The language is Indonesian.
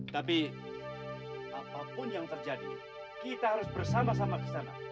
tapi apapun yang terjadi kita harus bersama sama ke sana